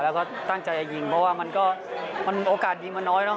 แล้วก็ตั้งใจจะยิงเพราะว่ามันก็มันโอกาสยิงมันน้อยเนอ